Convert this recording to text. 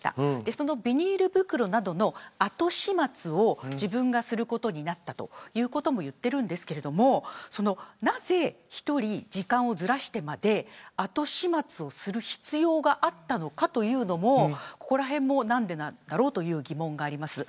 そのビニール袋などの後始末を自分がすることになったということも言っていますがなぜ１人、時間をずらしてまで後始末をする必要があったのかここらへんも何でなんだろうという疑問があります。